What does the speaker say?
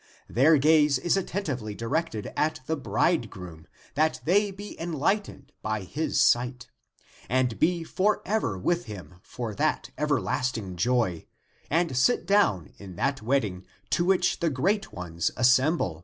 Their gaze is attentively directed at the bridegroom, That they be enlightened by his sight, And be for ever with him for that everlasting joy And sit down in that wedding to which the great ones assemble.